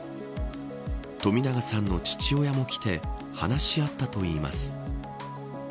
冨永さんの父親も来て話し合ったといいます。